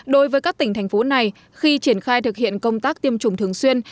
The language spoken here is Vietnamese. đối với các tỉnh thành phố này khi triển khai thực hiện công tác tiêm chủng thường xuyên